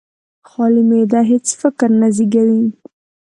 خالي معده هېڅ فکر نه زېږوي.